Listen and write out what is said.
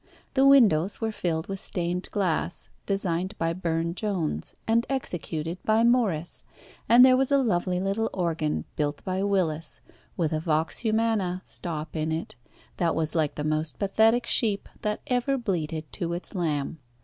The windows were filled with stained glass, designed by Burne Jones and executed by Morris, and there was a lovely little organ built by Willis, with a vox humana stop in it, that was like the most pathetic sheep that ever bleated to its lamb.